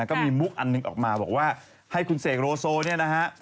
ก็มีมุกอันหนึ่งออกมาบอกว่าให้คุณเสกโลโซเนี่ยนะฮะ